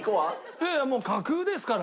いやいや架空ですから！